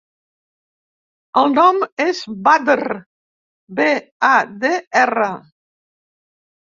El nom és Badr: be, a, de, erra.